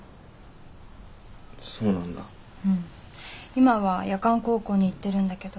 今は夜間高校に行ってるんだけど。